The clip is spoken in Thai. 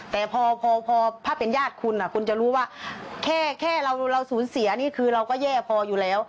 แต่พอถ้าเป็นญาติคุณคุณจะรู้ว่าแค่เราสูญเสียนี่คือเราก็แย่พออยู่แล้ว